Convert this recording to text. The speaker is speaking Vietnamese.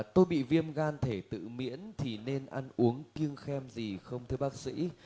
tôi bị viêm gan thể tự miễn thì nên ăn uống kiêng khem gì không thưa bác sĩ